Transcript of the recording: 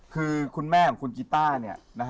คือคุณแม่ของคุณกีต้าเนี่ยนะฮะ